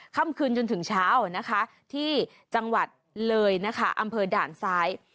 ค่ำคืนจนถึงเช้านะคะที่จังหวัดเลยนะคะอำเภอด่านซ้าย